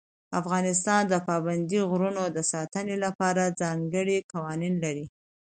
افغانستان د پابندي غرونو د ساتنې لپاره ځانګړي قوانین لري.